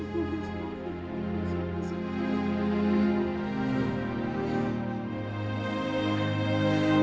ampuni kami ya allah